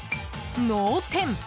脳天。